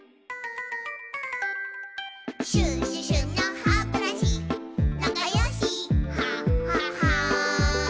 「シュシュシュのハブラシなかよしハハハ」